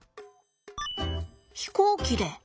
飛行機で。